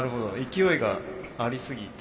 勢いがありすぎて。